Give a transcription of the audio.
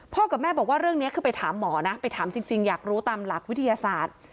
กับแม่บอกว่าเรื่องนี้คือไปถามหมอนะไปถามจริงอยากรู้ตามหลักวิทยาศาสตร์